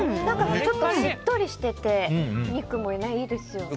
ちょっとしっとりしててお肉もいいですよね。